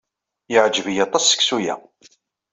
Yeɛjeb-iyi aṭas seksu-a.